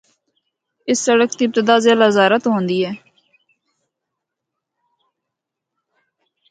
اس سڑک دی ابتدا ضلع ہزارہ تو ہوندی ہے۔